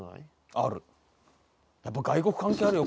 あるやっぱ外国関係あるよ